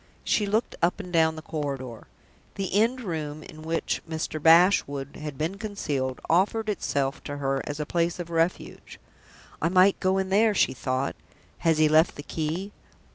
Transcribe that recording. She looked up and down the corridor. The end room, in which Mr. Bashwood had been concealed, offered itself to her as a place of refuge. "I might go in there!" she thought. "Has he left the key?"